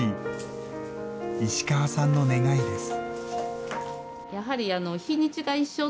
石川さんの願いです。